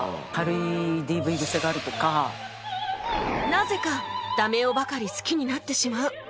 なぜかダメ男ばかり好きになってしまう